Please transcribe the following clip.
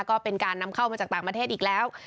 ก็เป็นการนำเข้ามาจากต่างประเทศอีกแล้ว